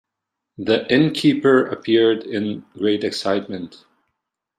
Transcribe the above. The innkeeper appeared in great excitement.